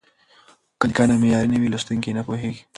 که لیکنه معیاري نه وي، لوستونکي یې نه پوهېږي.